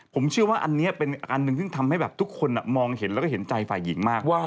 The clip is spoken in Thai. ผมเชื่อว่าอันนี้เป็นอันหนึ่งซึ่งทำให้แบบทุกคนมองเห็นแล้วก็เห็นใจฝ่ายหญิงมาก